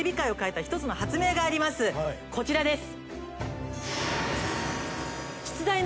こちらです。